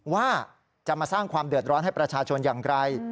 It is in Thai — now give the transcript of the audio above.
ว่าจะมาสร้างความเดือดร้อนให้ประชาชนอย่างไร